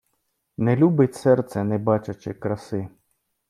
Не любить серце, не бачачи краси.